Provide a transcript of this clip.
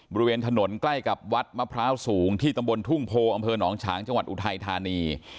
บริเวณถนนใกล้กับวัดมะพร้าวสูงที่ตำบลทุ่งโพอำเภอหนองฉางจังหวัดอุทัยธานี